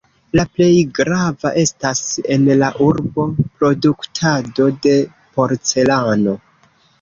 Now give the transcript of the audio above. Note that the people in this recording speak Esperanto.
La plej grava estas en la urbo produktado de porcelano.